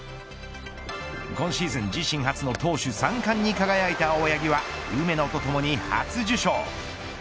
今シーズン、自身初の投手三冠に輝いた青柳は梅野とともに初受賞。